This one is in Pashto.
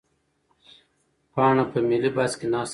پاڼه په ملي بس کې ناسته ده.